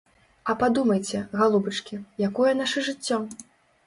А падумайце, галубачкі, якое наша жыццё?